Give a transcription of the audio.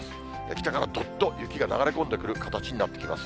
北からどっと雪が流れ込んでくる形になってきます。